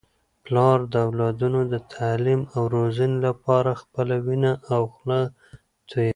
پلار د اولادونو د تعلیم او روزنې لپاره خپله وینه او خوله تویوي.